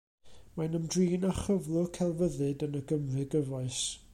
Mae'n ymdrin â chyflwr celfyddyd yn y Gymru gyfoes.